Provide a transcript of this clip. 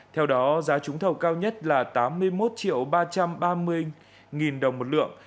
theo đó giá trúng thầu cao nhất là tám mươi một ba trăm ba mươi đồng một lượng